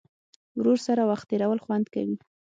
ورور سره وخت تېرول خوند کوي.